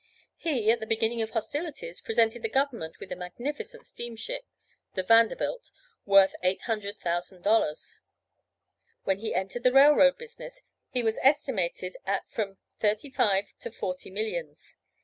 He, at the beginning of hostilities, presented the government with a magnificent steamship, the "Vanderbilt," worth $800,000. When he entered the railroad business he was estimated at from thirty five to forty millions.